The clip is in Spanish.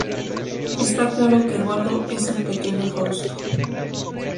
Está claro que Eduardo es un pequeño Fausto.